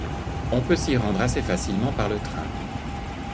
On peut s'y rendre assez facilement par le train.